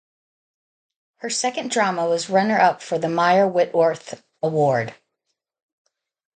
Her second drama was runner up for the Meyer Whitworth Award.